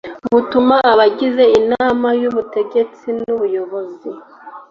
butuma abagize inama y ubutegetsi n ubuyobuzi